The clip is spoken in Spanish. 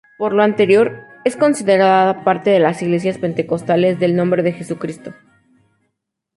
Por lo anterior, es considerada parte de las Iglesias Pentecostales del Nombre de Jesucristo.